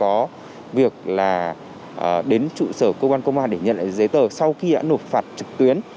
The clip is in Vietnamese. có việc là đến trụ sở cơ quan công an để nhận lại giấy tờ sau khi đã nộp phạt trực tuyến